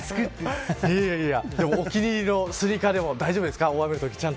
お気に入りのスニーカーでも大丈夫ですか。